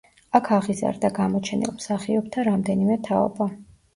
აქ აღიზარდა გამოჩენილ მსახიობთა რამდენიმე თაობა.